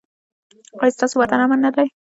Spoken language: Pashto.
ایا ستاسو وطن امن نه دی؟